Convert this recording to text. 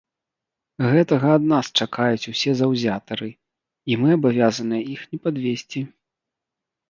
Гэтага ад нас чакаюць усе заўзятары, і мы абавязаныя іх не падвесці.